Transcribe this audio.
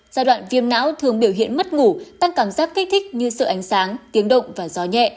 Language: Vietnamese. giai đoạn viêm não thường biểu hiện mất ngủ tăng cảm giác kích thích như sợ ánh sáng tiếng động và gió nhẹ